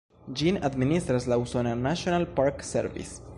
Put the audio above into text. Ĝin administras la usona "National Park Service".